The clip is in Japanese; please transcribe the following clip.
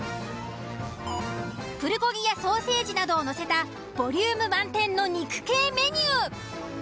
プルコギやソ―セ―ジなどをのせたボリューム満点の肉系メニュー。